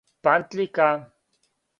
пантљика